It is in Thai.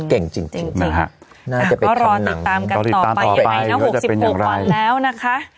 เก่งจริงจริงน่าจะเป็นคำหนังก็รอติดตามกันต่อไปในน้ำหกสิบหกปีก่อนแล้วนะคะ